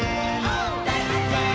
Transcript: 「だいはっけん！」